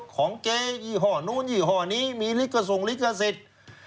ของแกยี่ห้อนู้นยี่ห้อนี้มีลิขส่งลิขสิทธิ์